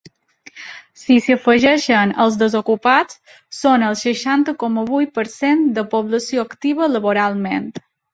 Si s’hi afegeixen els desocupats, són el seixanta coma vuit per cent de població activa laboralment.